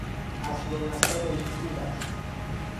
اصل و نسب او خوب است.